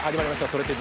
「それって！？